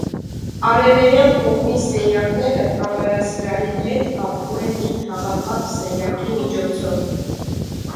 Արևելյան կողմի սենյակները կամարասրահի հետ կապվում են մի թաղակապ սենյակի միջոցով։